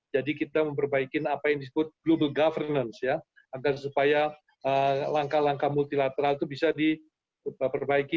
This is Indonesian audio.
jadi kita memperbaiki apa yang disebut global governance agar supaya langkah langkah multilateral itu bisa diperbaiki